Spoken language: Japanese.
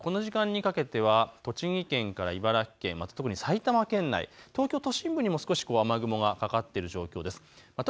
この時間にかけて栃木県から茨城県、埼玉県内、東京都心部にも少し雨雲がかかっている状態です。